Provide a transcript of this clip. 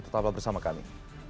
tetap bersama kami